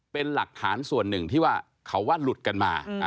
เป็นหลักฐานส่วนหนึ่งที่ว่าเขาว่าหลุดกันมา